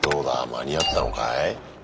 間に合ったのかい？